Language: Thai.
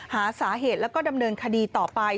หาสาเหตุแล้วก็ดำเนินคดีต่อไป